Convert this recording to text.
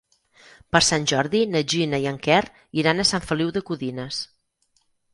Per Sant Jordi na Gina i en Quer iran a Sant Feliu de Codines.